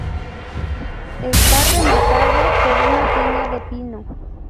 Está rematado por una piña de pino.